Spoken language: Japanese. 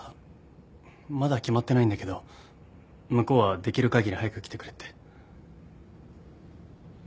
まだ決まってないんだけど向こうはできる限り早く来てくれって。